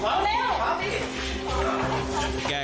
มานี่แหละ